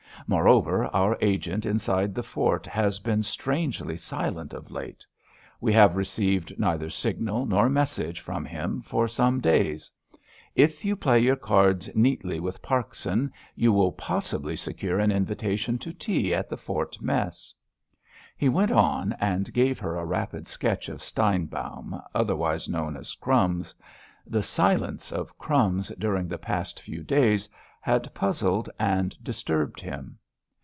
Moreover, our agent inside the fort has been strangely silent of late. We have received neither signal nor message from him for some days. If you play your cards neatly with Parkson, you will possibly secure an invitation to tea at the fort mess." He went on and gave her a rapid sketch of Steinbaum, otherwise known as "Crumbs." The silence of "Crumbs" during the past few days had puzzled and disturbed him.